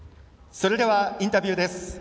それではインタビューです。